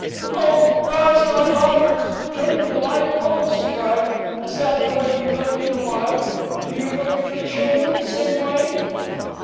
"Oh, your eyes are like augers turning to live coals!" she cried. "Is that the way you look at your wife? Do you look at your children the same way?"